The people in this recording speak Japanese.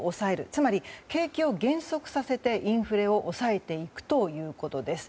つまり、景気を減速させてインフレを抑えていくということです。